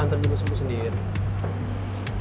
ntar juga sempur sendiri